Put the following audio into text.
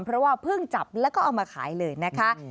เพราะว่าเพิ่งจับแล้วก็เอามาขายเลยนะคะ